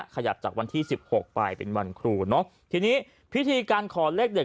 ขยับจากวันที่สิบหกไปเป็นวันครูเนอะทีนี้พิธีการขอเลขเด็ด